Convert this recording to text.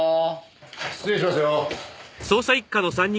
失礼しますよ。